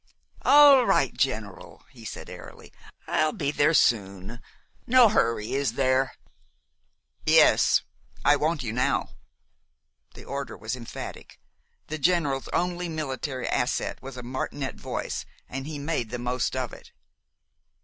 "All right, General," he said airily. "I'll be there soon. No hurry, is there?" "Yes, I want you now!" The order was emphatic. The General's only military asset was a martinet voice, and he made the most of it.